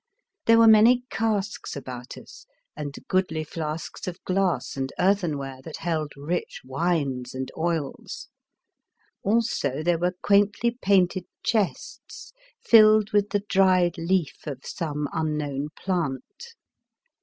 There were many casks about us, and goodly flasks of glass and earthenware that held rich wines and oils; also were there quaintly painted chests filled with the dried leaf of some unknown plant.